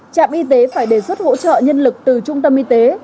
trạm y tế phải đề xuất hỗ trợ nhân lực từ trung tâm y tế